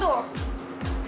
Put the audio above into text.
tuh tuh tuh